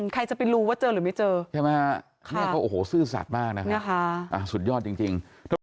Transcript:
ใครจะไปรู้ว่าเจอหรือไม่เจอใช่ไหมฮะเนี่ยเขาโอ้โหซื่อสัตว์มากนะครับสุดยอดจริง